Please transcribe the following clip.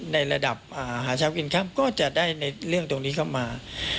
ในระดับหาเช้ากินค่ำก็จะได้ในเรื่องตรงนี้เข้ามา